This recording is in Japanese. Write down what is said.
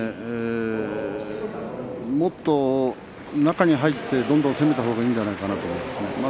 もっと中に入ってどんどん攻めたほうがいいんじゃないかと思うんですね。